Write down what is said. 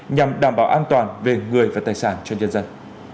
nhằm đảm bảo an toàn về người và tài sản cho nhân dân